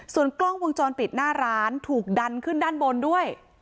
ส่วนกล้องวงจรปิดหน้าร้านถูกดันขึ้นด้านบนด้วย